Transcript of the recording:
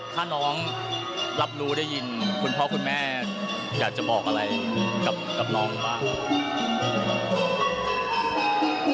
ถ้าน้องรับรู้ได้ยินคุณพ่อคุณแม่อยากจะบอกอะไรกับน้องบ้าง